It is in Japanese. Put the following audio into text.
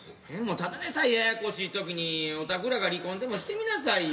ただでさえややこしいときにおたくらが離婚でもしてみなさいよ。